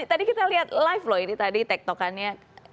tadi kita lihat live loh ini tadi tektokannya